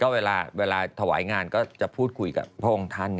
เวลาถวายงานก็จะพูดคุยกับพระองค์ท่าน